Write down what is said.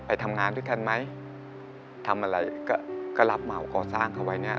ทำงานด้วยกันไหมทำอะไรก็ก็รับเหมาก่อสร้างเขาไว้เนี่ย